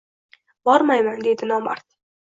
Bormayman, deydi nomard